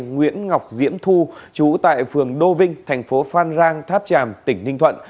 nguyễn ngọc diễm thu chú tại phường đô vinh thành phố phan rang tháp tràm tỉnh ninh thuận